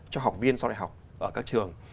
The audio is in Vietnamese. cho học viên sau đại học ở các trường